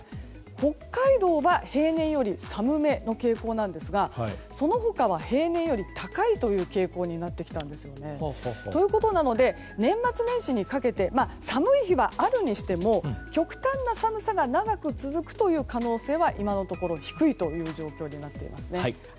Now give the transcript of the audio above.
北海道は平年より寒めの傾向なんですがその他は平年より高い傾向になってきたんですね。ということなので年末年始にかけて寒い日はあるにしても極端な寒さが長く続くという可能性は今のところ低いという状況になっています。